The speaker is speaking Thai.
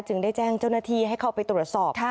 ได้แจ้งเจ้าหน้าที่ให้เข้าไปตรวจสอบ